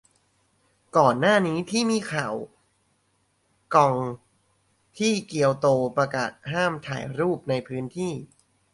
ก่อนหน้านี้ที่มีข่าวว่ากิองที่เกียวโตประกาศห้ามถ่ายรูปในพื้นที่